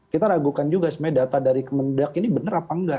kita ragukan juga sebenarnya data dari kemendak ini benar apa enggak